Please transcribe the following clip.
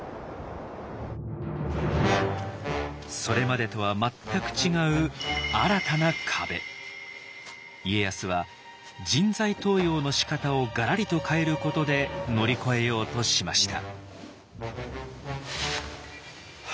それまでとは全く違う家康は人材登用のしかたをがらりと変えることで乗り越えようとしました。